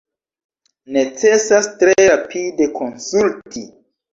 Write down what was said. Necesas tre rapide konsulti.